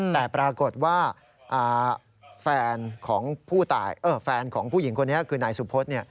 แต่ปรากฏว่าแฟนของผู้หญิงคนนี้คือนายสุพธ